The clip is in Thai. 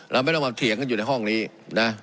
เราไม่ต้องมาเถียงกันอยู่ในห้องนี้นะ